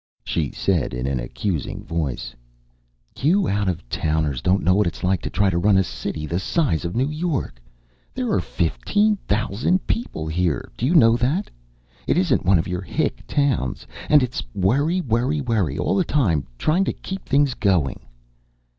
She said in an accusing voice: "You out of towners don't know what it's like to try to run a city the size of New York. There are fifteen thousand people here, do you know that? It isn't one of your hick towns. And it's worry, worry, worry all the time, trying to keep things going."